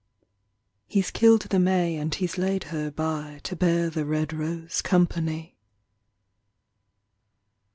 "He s killed the May and he s laid her by To bear the red rose company."